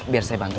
biar saya bantu